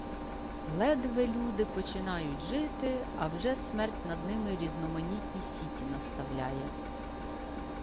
Ледве люди починають жити, а вже смерть над ними різноманітні сіті наставляє.